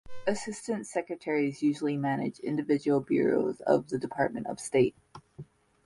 Assistant Secretaries usually manage individual bureaus of the Department of State.